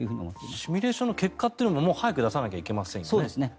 シミュレーションの結果というのも早く出さないといけませんよね。